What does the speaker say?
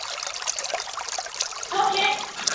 فرد د ټولني اړیکي ضعیفه احساسوي.